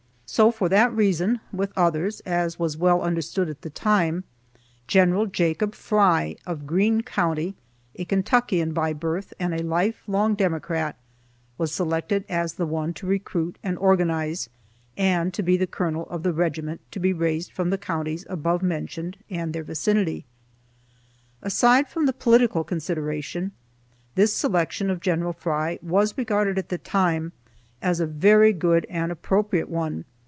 So, for that reason, (with others,) as was well understood at the time, Gen. Jacob Fry of Greene County, a Kentuckian by birth and a life long Democrat, was selected as the one to recruit and organize, and to be the colonel of the regiment to be raised from the counties above named and their vicinity. Aside from the political consideration, this selection of Gen. Fry was regarded at the time as a very good and appropriate one.